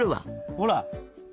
ほら。